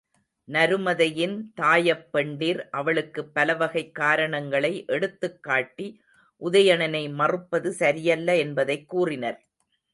நருமதையின் தாயப்பெண்டிர் அவளுக்குப் பலவகைக் காரணங்களை எடுத்துக் காட்டி உதயணனை மறுப்பது சரியல்ல என்பதைக் கூறினர்.